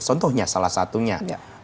contohnya salah satunya